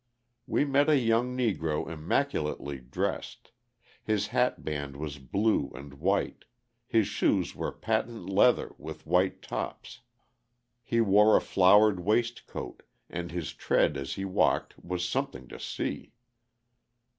We met a young Negro immaculately dressed; his hat band was blue and white; his shoes were patent leather with white tops; he wore a flowered waistcoat, and his tread as he walked was something to see.